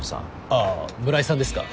あぁ村井さんですか？